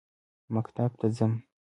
مکتب ته ځم.